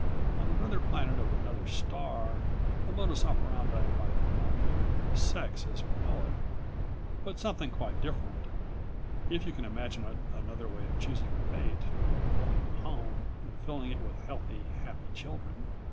On another planet of another star the modus operandi may not be sex as we know it, but something quite different, if you can imagine another way of choosing a mate, building a home, and filling it with healthy, happy children.